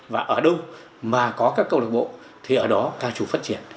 và ở đâu mà có các câu lạc bộ thì ở đó ca trù phát triển